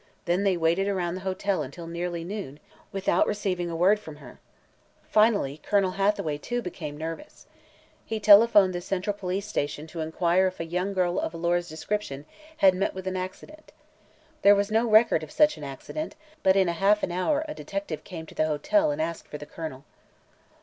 Then they waited around the hotel until nearly noon, without receiving a word from her. Finally Colonel Hathaway, too, became nervous. He telephoned the central police station to inquire if a young girl of Alora's description had met with an accident. There was no record of such an accident, but in half an hour a detective came to the hotel and asked for the Colonel.